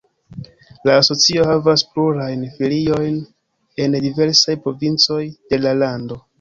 La asocio havas plurajn filiojn en diversaj provincoj de la lando.